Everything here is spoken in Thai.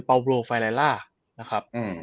เป้าโวลโฟัยลา